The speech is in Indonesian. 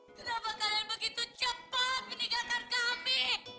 kenapa kalian begitu cepat meninggalkan kami